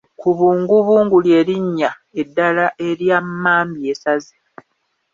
Kubungubungu ly'erinnya eddala erya mmambya esaze .